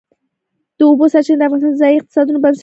د اوبو سرچینې د افغانستان د ځایي اقتصادونو بنسټ دی.